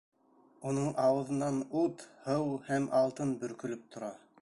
Уның ауыҙынан ут, һыу һәм алтын бөркөлөп тора.